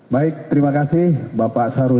baik terima kasih bapak sarul